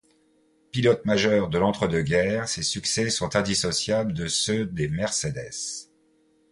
Pilote majeur de l'entre-deux-guerres, ses succès sont indissociables de ceux des Mercedes.